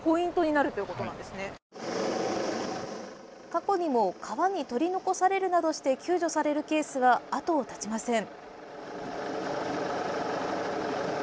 過去にも川に取り残されるなどして救助されるケースは後を絶ちません。